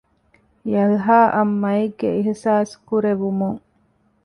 ޔަލްހާއަށް މައެއްގެ އިހްސާސް ކުރެވުމުން